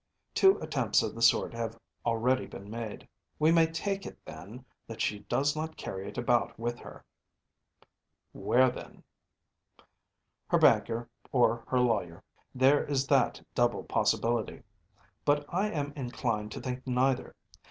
Two attempts of the sort have already been made. We may take it, then, that she does not carry it about with her.‚ÄĚ “Where, then?‚ÄĚ “Her banker or her lawyer. There is that double possibility. But I am inclined to think neither.